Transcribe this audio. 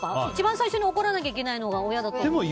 一番最初に怒らなきゃいけないのが親だから。